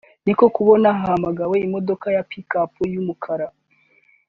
niko kubona hahamagawe imodoka ya Pick up y’umukara